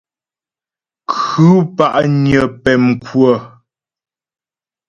Khʉ̂ pa'nyə pɛmkwə.